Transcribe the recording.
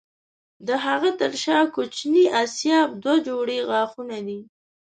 د هغه تر شا کوچني آسیاب دوه جوړې غاښونه دي.